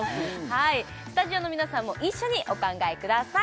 はいスタジオの皆さんも一緒にお考えください